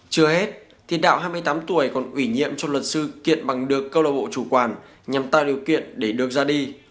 chưa hết thì đạo hai mươi tám tuổi còn ủy nhiệm cho luật sư kiện bằng được câu lạc bộ chủ quản nhằm tạo điều kiện để được ra đi